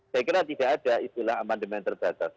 saya kira tidak ada istilah amandemen terbatas